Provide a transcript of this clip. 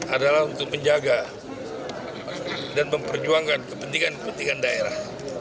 adalah untuk menjaga dan memperjuangkan kepentingan kepentingan daerah